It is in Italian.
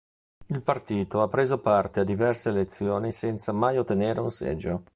Il partito ha preso parte a diverse elezioni senza mai ottenere un seggio.